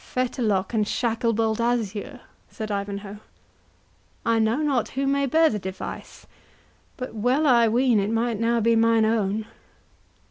35 "A fetterlock and shacklebolt azure," said Ivanhoe; "I know not who may bear the device, but well I ween it might now be mine own.